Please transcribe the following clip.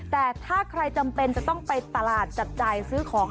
แต่ถ้าใครจำเป็นจะต้องไปตลาดจับจ่ายซื้อของ